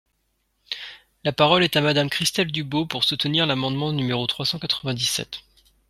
La parole est à Madame Christelle Dubos, pour soutenir l’amendement numéro trois cent quatre-vingt-dix-sept.